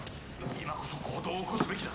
今こそ行動を起こすべきだ